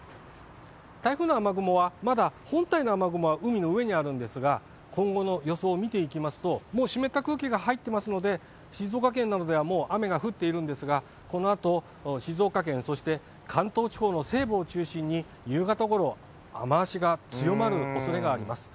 台風の雨雲は、まだ本体の雨雲は海の上にあるんですが、今後の予想を見ていきますと、もう湿った空気が入っていますので、静岡県などではもう雨が降っているんですが、このあと、静岡県、そして関東地方の西部を中心に、夕方ごろ、雨足が強まるおそれがあります。